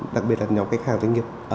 đặc biệt là nhóm khách hàng doanh nghiệp